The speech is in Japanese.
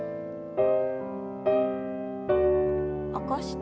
起こして。